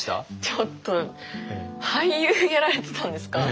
ちょっと俳優やられてたんですか？